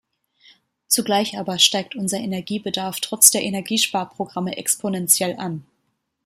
Zugleich aber steigt unser Energiebedarf trotz der Energiesparprogramme exponentiell an.